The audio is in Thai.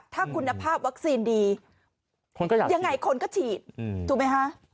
ถ้าคุณภาพวัคซีนดียังไงคนก็ฉีดถูกไหมคะ